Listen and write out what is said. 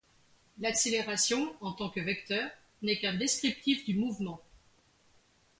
L'accélération, en tant que vecteur, n'est qu'un descriptif du mouvement.